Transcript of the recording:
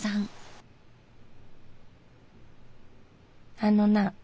「あのな。